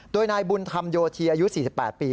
โดยนายบุญธรรมโยธีอายุ๔๘ปี